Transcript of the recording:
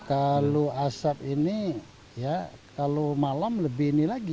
kalau asap ini ya kalau malam lebih ini lagi